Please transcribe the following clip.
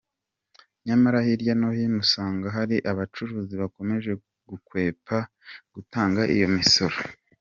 Nyamara hirya no hino usanga hari abacuruzi bakomeje gukwepa gutanga iyo misoro.